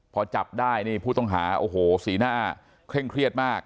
พอจับได้นี่ผู้ต้องหาโอ้โหสีหน้าเคร่งเครียดมาก